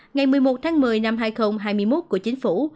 ngày một mươi một tháng một mươi năm hai nghìn hai mươi một của chính phủ